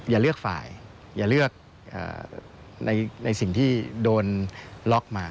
อย่าเลือกฝ่ายอย่าเลือกในสิ่งที่โดนล็อกมา